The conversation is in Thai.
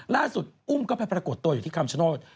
ล่าสุดอุ้มก็ไปปรากฏตัวอยู่ที่คำชโนธ